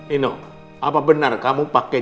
ino apa benar kamu pakai